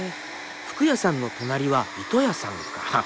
服屋さんの隣は糸屋さんか。